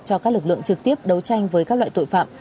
cho các lực lượng trực tiếp đấu tranh với các loại tội phạm